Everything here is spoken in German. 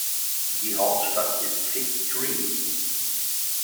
Die Hauptstadt ist Fig Tree.